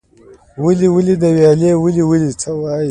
ولي ولې د ویالې ولې ولې؟